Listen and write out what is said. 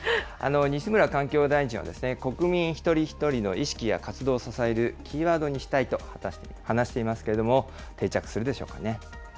西村環境大臣は、国民一人一人の意識や活動を支えるキーワードにしたいと話していますけれども、定着するでしょうかね。